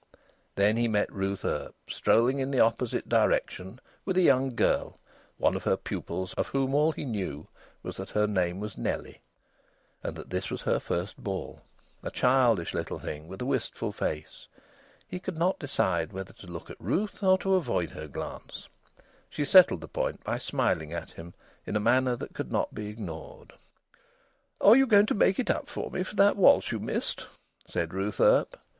Then he met Ruth Earp, strolling in the opposite direction with a young girl, one of her pupils, of whom all he knew was that her name was Nellie, and that this was her first ball: a childish little thing with a wistful face. He could not decide whether to look at Ruth or to avoid her glance. She settled the point by smiling at him in a manner that could not be ignored. "Are you going to make it up to me for that waltz you missed?" said Ruth Earp.